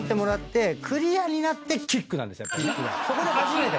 そこで初めて。